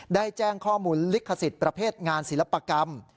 ได้แจ้งข้อมูลลิขสิทธิ์ประเภทงานศิลปกรรม